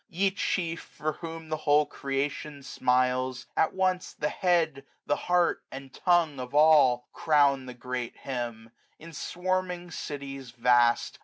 8q Ye chief, for whom the whole creation smiles. At once the head, the. heart, and tongue of all. Crown the great hymn! in swarming cities vast.